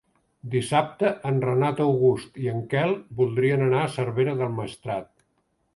Dissabte en Renat August i en Quel voldrien anar a Cervera del Maestrat.